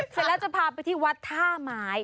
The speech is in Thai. เสร็จแล้วจะพาไปที่วัดท่าไม้